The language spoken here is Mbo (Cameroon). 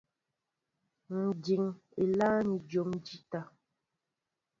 Ǹ dǐŋ elâŋ̀i jǒm njíta.